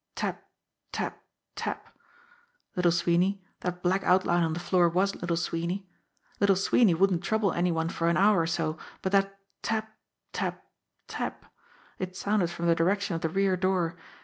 Tap, tap, tap! Little Sweeney that black outline on the floor was Little Sweeney Little Sweeney wouldn't trouble any one for an hour or so but that tap, tap, tap it sounded from the direction of the rear door.